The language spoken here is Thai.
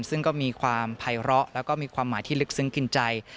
ซึ่งก็มีความภัยร้อแล้วก็มีความหมายที่ลึกซึ้งกินใจ